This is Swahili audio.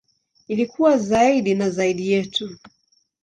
Ili kuwa zaidi na zaidi yetu.